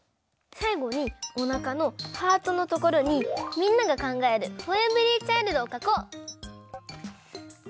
さいごにおなかのハートのところにみんながかんがえるｆｏｒｅｖｅｒｙｃｈｉｌｄをかこう！